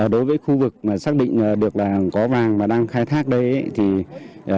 đối với khu vực xác định được là có vàng và đang khai thác đây